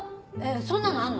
そんなのあんの？